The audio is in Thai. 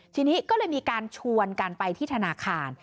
ทีนี้ก็เลยมีการชวนกันไปที่ธนาคาร